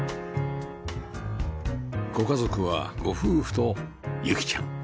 ご家族はご夫婦とゆきちゃん